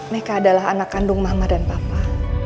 mereka adalah anak kandung mama dan papa